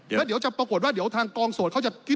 แล้วเดี๋ยวจะปรากฏว่าเดี๋ยวทางกองโสดเขาจะ